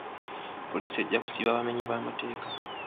Poliisi ejja kusiba abamenyi b'amateeka .